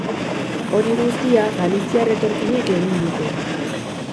Hori guztia galiziar etorkinek egin dute.